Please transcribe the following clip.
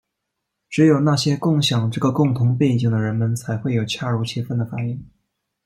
只有那些共享这个共同背景的人们才会有恰如其分的反应。